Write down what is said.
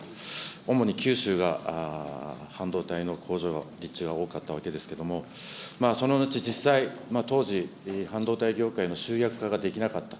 主に九州が半導体の工場、立地が多かったわけですけれども、その、実際、当時、半導体業界の集約化ができなかった。